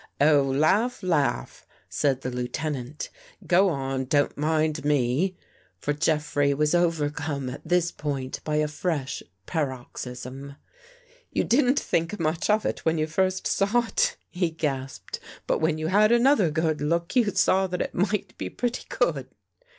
" Oh, laugh, laugh," said the Lieutenant. " Go on, don't mind me." For Jeffrey was overcome at this point by a fresh paroxysm. " You didn't think much of it when you first saw it," he gasped. " But when you had another good look, you saw that it might be pretty good."